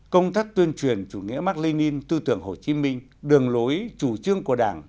công tác tuyên truyền chủ nghĩa mạc lê ninh tư tưởng hồ chí minh đường lối chủ trương của đảng